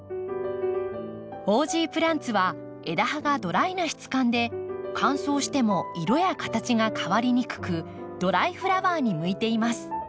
オージープランツは枝葉がドライな質感で乾燥しても色や形が変わりにくくドライフラワーに向いています。